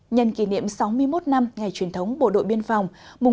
nhân kỷ niệm sáu mươi một năm ngày truyền thống bộ đội biên phòng